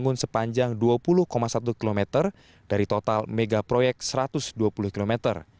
muara baru akan dibangun sepanjang dua puluh satu km dari total mega proyek satu ratus dua puluh km